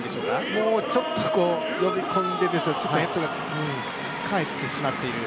もうちょっと呼び込んで、ヘッドが返ってしまっている。